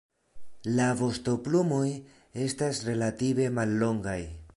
La vostoplumoj estas relative mallongaj.